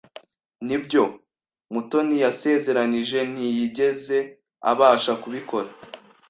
Nibyo Mutoni yasezeranije ntiyigeze abasha kubikora.